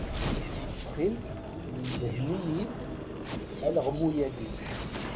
Ttxil-k, sefhem-iyi-d alaɣmu-agi?